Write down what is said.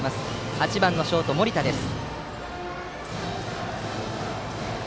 ８番のショート、森田です。